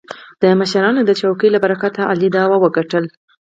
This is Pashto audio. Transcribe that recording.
د مشرانو د چوکې له برکته علي دعوه وګټله.